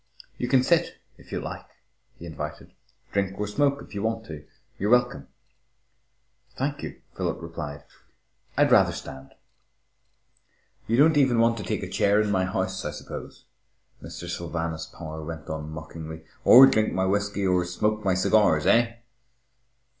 "You can sit, if you like," he invited. "Drink or smoke if you want to. You're welcome." "Thank you," Philip replied. "I'd rather stand." "You don't want even to take a chair in my house, I suppose," Mr. Sylvanus Power went on mockingly, "or drink my whisky or smoke my cigars, eh?"